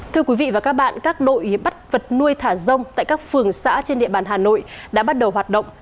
thưa quý vị và các bạn các đội bắt vật nuôi thả rông tại các phường xã trên địa bàn hà nội đã bắt đầu hoạt động